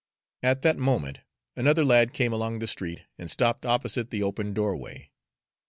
At that moment another lad came along the street and stopped opposite the open doorway.